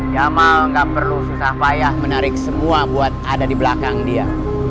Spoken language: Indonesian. jamal nggak perlu susah payah menarik semua buat ada di belakang dia